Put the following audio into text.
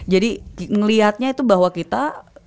jadi ngeliatnya itu bahwa kita